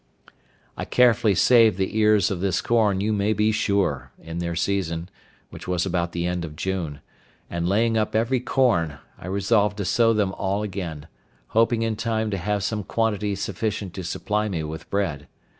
I carefully saved the ears of this corn, you may be sure, in their season, which was about the end of June; and, laying up every corn, I resolved to sow them all again, hoping in time to have some quantity sufficient to supply me with bread.